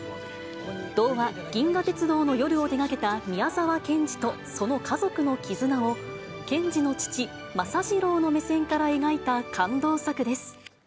童話、銀河鉄道の夜を手がけた宮沢賢治と、その家族の絆を、賢治の父、政次郎の目線から描いた感動作です。